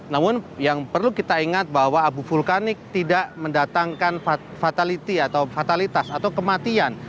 namun yang perlu kita ingat bahwa abu vulkanik tidak mendatangkan fatality atau fatalitas atau kematian